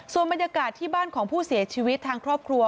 ส่วนบรรยากาศที่บ้านของผู้เสียชีวิตทางครอบครัว